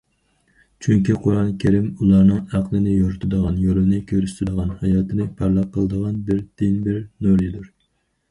چۈنكى قۇرئان كەرىم ئۇلارنىڭ ئەقلىنى يورۇتىدىغان، يولىنى كۆرسىتىدىغان، ھاياتىنى پارلاق قىلىدىغان بىردىنبىر نۇر ئىدى.